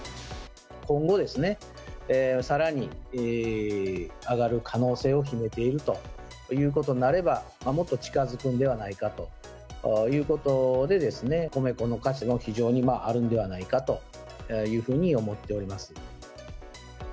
今後、さらに上がる可能性を秘めているということになれば、もっと近づくんではないかということで、米粉の価値は非常にあるのではないかと思っております。